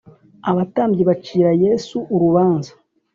Abatambyi bacira Yesu urubanza